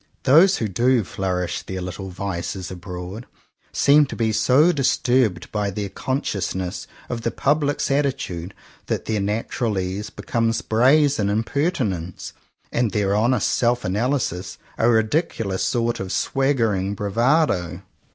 Those who do flourish their little vices abroad seem to be so disturbed by their consciousness of the public's attitude that their natural ease becomes brazen imper tinence, and their honest self analysis a ridiculous sort of swaggering bravado.